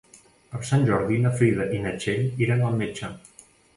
Per Sant Jordi na Frida i na Txell iran al metge.